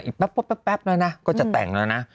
แป๊บแล้วนะก็จะแต่งแล้วนะ